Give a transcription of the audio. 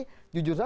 ketua umum partai